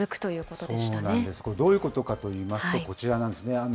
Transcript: これどういうことかといいますとこちらなんですね。